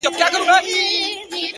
هغه لمرینه نجلۍ تور ته ست کوي ـ